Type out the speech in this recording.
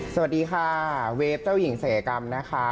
สวัสดีค่ะเวฟเจ้าหญิงสายกรรมนะคะ